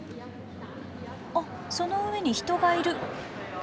あっその上に人がいる。